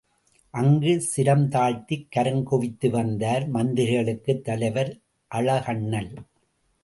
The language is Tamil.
அங்கு சிரம் தாழ்த்திக் கரம் குவித்து வந்தார் மந்திரிகளுக்குத் தலைவர், அழகண்ணல்.